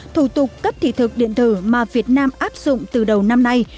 thủ tục cấp thị thực điện tử mà việt nam áp dụng từ đầu năm nay